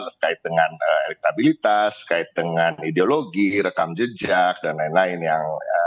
terkait dengan elektabilitas kait dengan ideologi rekam jejak dan lain lain yang